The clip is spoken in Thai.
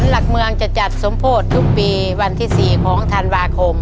หลักเมืองจะจัดสมโพธิทุกปีวันที่๔ของธันวาคม